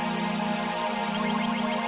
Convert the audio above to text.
kita seru pak